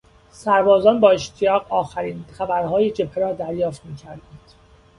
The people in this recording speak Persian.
سربازان با اشتیاق آخرین خبرهای جبهه را دریافت میکردند.